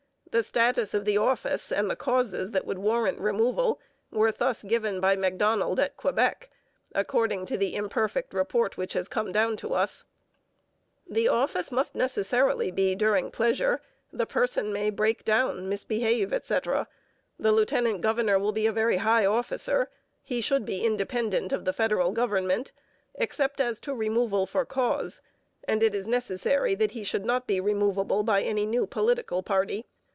The status of the office and the causes that would warrant removal were thus given by Macdonald at Quebec, according to the imperfect report which has come down to us: The office must necessarily be during pleasure. The person may break down, misbehave, etc.... The lieutenant governor will be a very high officer. He should be independent of the federal government, except as to removal for cause, and it is necessary that he should not be removable by any new political party.